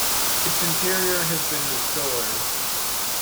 Its interior has been restored.